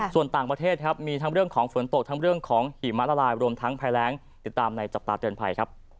ส่วนต่างประเทศมีทั้งเรื่องของฝนตกทั้งเรื่องของหิมะละลาย